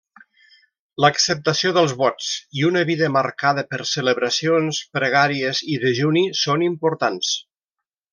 L'acceptació dels vots i una vida marcada per celebracions, pregàries i dejuni, són importants.